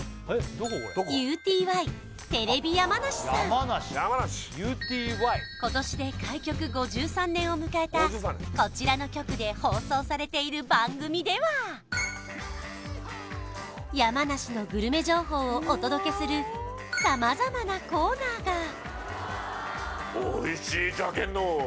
今回今年で開局５３年を迎えたこちらの局で放送されている番組では山梨のグルメ情報をお届けするさまざまなコーナーがおいしいじゃけんのう！